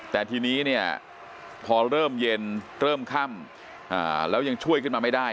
แต่ทีนี้เนี่ยพอเริ่มเย็นเริ่มค่ำแล้วยังช่วยขึ้นมาไม่ได้